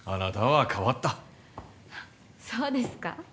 そうですか？